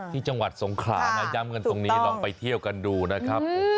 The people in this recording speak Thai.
ที่จังหวัดสงขลานะย้ำกันตรงนี้ลองไปเที่ยวกันดูนะครับ